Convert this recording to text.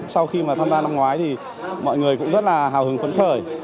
sau khi mà tham gia năm ngoái thì mọi người cũng rất là hào hứng phấn khởi